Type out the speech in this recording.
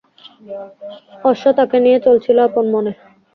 অশ্ব তাকে নিয়ে চলছিল আপন মনে।